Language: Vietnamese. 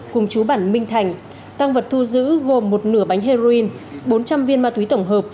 cùng chú bản minh thành tăng vật thu giữ gồm một nửa bánh heroin bốn trăm linh viên ma túy tổng hợp